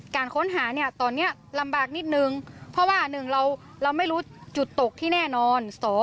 การค้นหาเนี่ยตอนนี้ลำบากนิดนึงเพราะว่า๑เราไม่รู้จุดตกที่แน่นอน